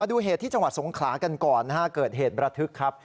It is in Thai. ดูเหตุที่จังหวัดสงขลากันก่อนนะฮะเกิดเหตุระทึกครับ